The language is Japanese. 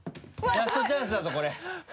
ラストチャンスだぞこれ。